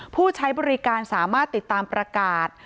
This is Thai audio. ผู้ใช้บริการสามารถติดตามประกาศ